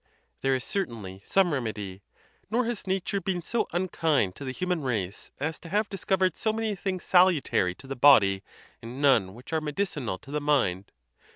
There is certainly some remedy; nor has nature been so unkind to the hu man race as to have discovered so many things salutary to the body, and none which are medicinal to the mind.